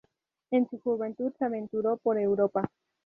En su juventud se aventuró por Europa.